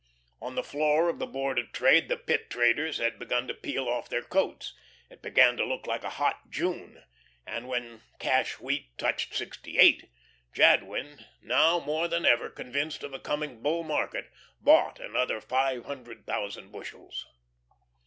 On the floor of the Board of Trade the Pit traders had begun to peel off their coats. It began to look like a hot June, and when cash wheat touched sixty eight, Jadwin, now more than ever convinced of a coming Bull market, bought another five hundred thousand bushels.